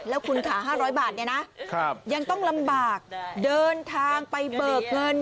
แล้วคุณขา๕๐๐บาทยังต้องลำบากเดินทางไปเบิกเงิน